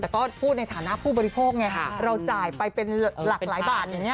แต่ก็พูดในฐานะผู้บริโภคไงเราจ่ายไปเป็นหลากหลายบาทอย่างนี้